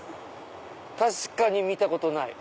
確かに見たことない。